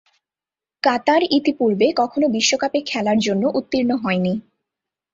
কাতার ইতিপূর্বে কখনো বিশ্বকাপে খেলার জন্য উত্তীর্ণ হয়নি।